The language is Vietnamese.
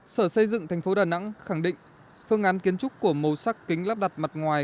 sở xây dựng thành phố đà nẵng khẳng định phương án kiến trúc của màu sắc kính lắp đặt mặt ngoài